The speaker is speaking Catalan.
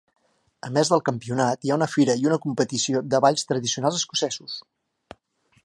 A més del campionat hi ha una fira i una competició de balls tradicionals escocesos.